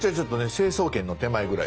成層圏の手前ぐらい。